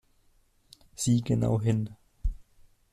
Sieh genau hin!